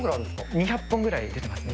２００本ぐらい出てますね。